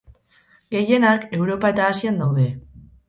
Gehienak Europa eta Asian daude.